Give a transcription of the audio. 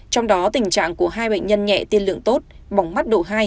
trong đó tình trạng của hai bệnh nhân nhẹ tiên lượng tốt bỏng mắt độ hai